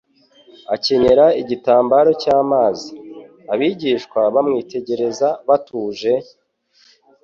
akenyera igitambaro cy'amazi. Abigishwa bamwitegereza batuje,